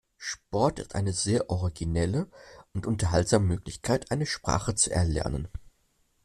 Sport ist eine sehr originelle und unterhaltsame Möglichkeit, eine Sprache zu erlernen.